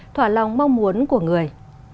thỏa lòng mong muốn của người